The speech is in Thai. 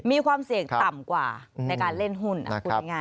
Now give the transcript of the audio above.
มีความเสี่ยงต่ำกว่าในการเล่นหุ้นพูดง่าย